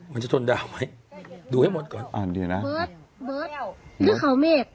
มันจะทนดาวไหมดูให้หมดก่อนอ่านดีนะเบิร์ตเบิร์ตด้วยเขาเมฆ